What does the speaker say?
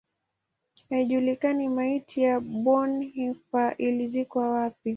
Haijulikani maiti ya Bonhoeffer ilizikwa wapi.